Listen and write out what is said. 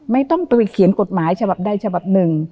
ไม่ต้องไปเขียนกฎหมายฉบับใดฉบับหนึ่ง